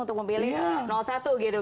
untuk memilih satu gitu